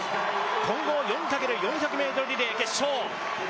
混合４×４００ｍリレー決勝。